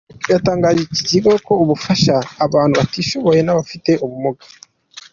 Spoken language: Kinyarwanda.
Yatangije Ikigo giha Ubufasha abana batishoboye n’abafite ubumuga